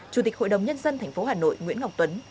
chủ tịch hội đồng nhân dân thành phố hà nội nguyễn ngọc tuấn